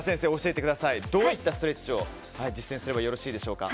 どういったストレッチを実践すればよろしいでしょうか？